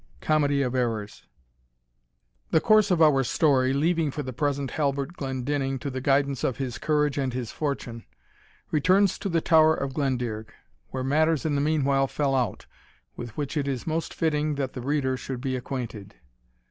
COMEDY OF ERRORS. The course of our story, leaving for the present Halbert Glendinning to the guidance of his courage and his fortune, returns to the Tower of Glendearg, where matters in the meanwhile fell out, with which it is most fitting that the reader should be acquainted.